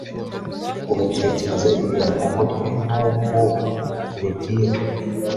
ugatekereza ibintu mu mutwe n’uwo ububwira